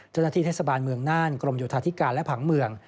จังหาที่เทศบาลเมืองน่านกรมอยู่ธาตุธิกาและผังเมือง